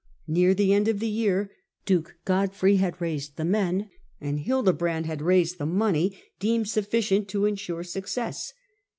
Near the end of the year duke Godfrey had raised the men and Hildebrand had raised the money deemed sufficient to ensure success.